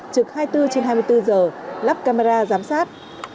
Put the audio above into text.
trực hai mươi bốn trên hai mươi bốn giờ lắp camera giám sát